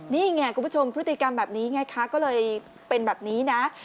นี่ไงคุณผู้ชมพฤติกรรมแบบนี้ไงคะก็เลยเป็นแบบนี้นะ